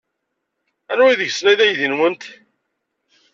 Anwa deg-sen ay d aydi-nwent?